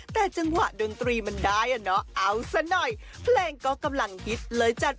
แต่จังหวะดนตรีมันได้อ่ะเนาะเอาซะหน่อยเพลงก็กำลังฮิตเลยจัด